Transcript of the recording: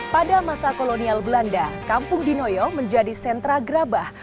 pada masa kolonial belanda kampung dinoyo menjadi sentra gerabah